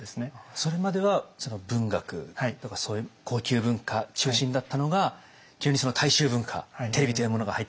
それまでは文学とかそういう高級文化中心だったのが急にその大衆文化テレビというものが入ってきて？